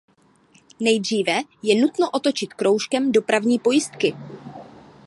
Nejdříve je nutno otočit kroužkem dopravní pojistky.